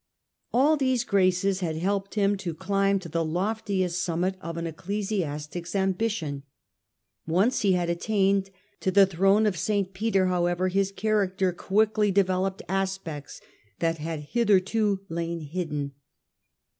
All these graces had helped him to climb to the loftiest summit of an ecclesiastic's ambition. Once he had attained to the Throne of St. Peter, however, his character quickly developed aspects that had hitherto lain hidden.